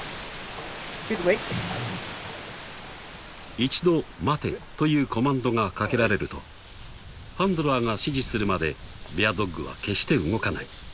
［一度「待て」というコマンドがかけられるとハンドラーが指示するまでベアドッグは決して動かない］